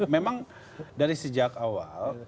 memang dari sejak awal kan kita sampaikan